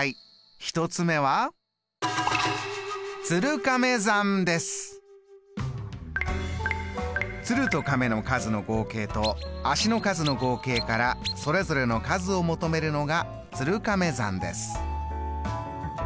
１つ目は鶴と亀の数の合計と足の数の合計からそれぞれの数を求めるのが鶴亀算です。